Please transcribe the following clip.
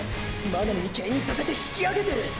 真波に牽引させて引き上げてる！！